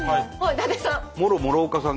伊達さん。